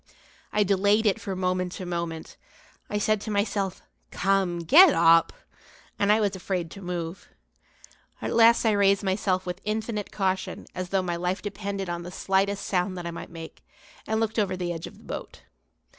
I delayed it from moment to moment. I said to myself: "Come, get up!" and I was afraid to move. At last I raised myself with infinite caution as though my life depended on the slightest sound that I might make; and looked over the edge of the boat.